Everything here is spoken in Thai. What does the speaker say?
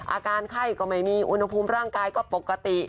อาการไข้ก็ไม่มีอุณหภูมิร่างกายก็ปกติ